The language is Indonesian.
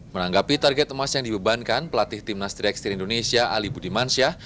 menanggapi target emas yang dibebankan pelatih timnas tiga x tiga indonesia ali budimansyah